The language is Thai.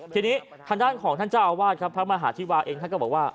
ทีนี้ทางด้านของท่านเจ้าอาวาสครับพระมหาธิวาเองท่านก็บอกว่า